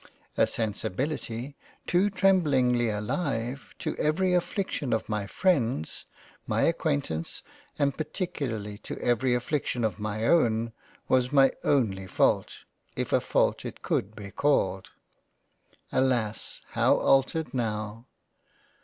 A sensibility too tremblingly alive to every affliction of my Freinds, my Acquaintance and particularly to every affliction of my own, was my only fault, if a fault it could be called. Alas ! how altered now